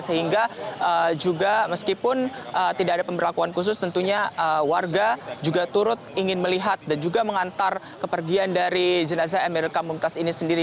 sehingga juga meskipun tidak ada pemberlakuan khusus tentunya warga juga turut ingin melihat dan juga mengantar kepergian dari jenazah emeril kamuntas ini sendiri